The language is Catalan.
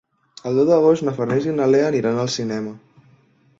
El deu d'agost na Farners i na Lea aniran al cinema.